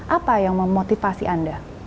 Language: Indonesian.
apa yang memotivasi anda